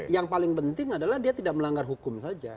yang paling penting adalah dia tidak melanggar hukum saja